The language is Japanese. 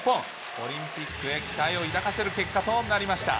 オリンピックへ期待を抱かせる結果となりました。